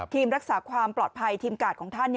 รักษาความปลอดภัยทีมกาดของท่าน